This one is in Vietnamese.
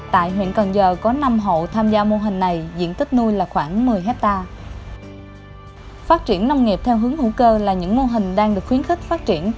tại huyện cần giờ có năm hộ tham gia mô hình này diện tích nuôi là khoảng một mươi hectare